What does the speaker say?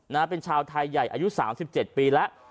นะเป็นชาวไทยใหญ่อายุ๓๗ปีแล้ว